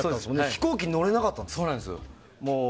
飛行機乗れなかったんですよね。